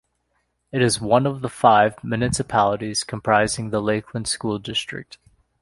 It is one of the five municipalities comprising the Lakeland School District.